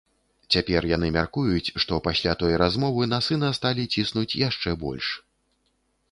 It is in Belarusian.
Цяпер яны мяркуюць, што пасля той размовы на сына сталі ціснуць яшчэ больш.